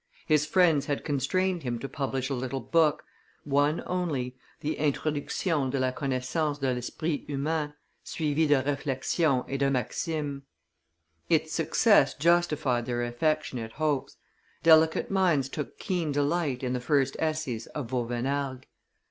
His friends had constrained him to publish a little book, one only, the Introduction de la connaissance de l'esprit humain, suivie de reflexions et de maximes. Its success justified their affectionate hopes; delicate minds took keen delight in the first essays of Vauvenargues.